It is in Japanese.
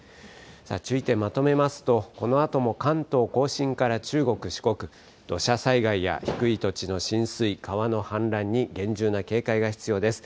注意点まとめますと、このあとも関東甲信から中国、四国、土砂災害や低い土地の浸水、川の氾濫に厳重な警戒が必要です。